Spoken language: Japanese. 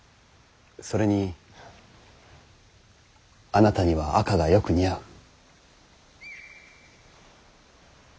それにあなたには赤がよく似合う。